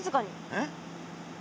えっ？